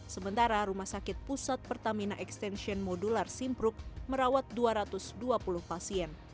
sementara rumah sakit pusat pertamina extension modular simpruk merawat dua ratus dua puluh pasien